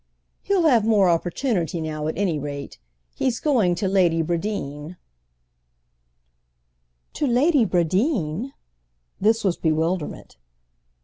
"He'll have more opportunity now, at any rate. He's going to Lady Bradeen." "To Lady Bradeen?" This was bewilderment.